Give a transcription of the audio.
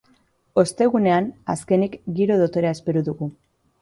Ostegunean, azkenik, giro dotorea espero dugu.